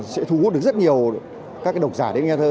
sẽ thu hút được rất nhiều các độc giả đến nhà thơ